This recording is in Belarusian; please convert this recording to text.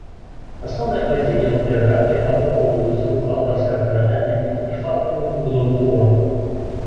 Асноўныя падзеі яго біяграфіі абумоўліваюць рух аўтарскага апавядання і фабульную пабудову твору.